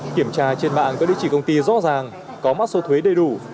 kiểm tra trên mạng có địa chỉ công ty rõ ràng có mắt số thuế đầy đủ